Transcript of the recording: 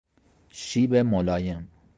شیب ملایم